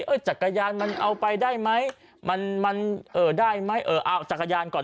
จักรยานมันเอาไปได้ไหมมันมันเอ่อได้ไหมเออเอาจักรยานก่อน